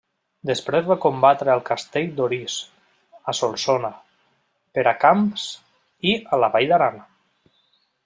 Després va combatre al castell d'Orís, a Solsona, Peracamps i a la vall d'Aran.